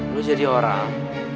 lu jadi orang